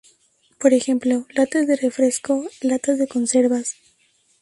Por ejemplo: "Latas de refrescos, latas de conservas..."